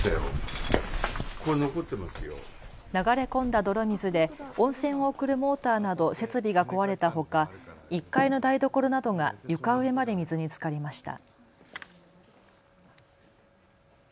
流れ込んだ泥水で温泉を送るモーターなど設備が壊れたほか１階の台所などが床上まで水につかりました。